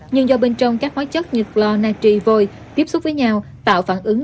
nhưng do bên trong các hóa chất nhiệt lo natri vôi tiếp xúc với nhau tạo phản ứng